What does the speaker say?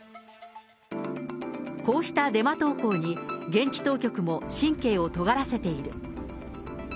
こうしたデマ投稿に現地当局も神経をとがらせている。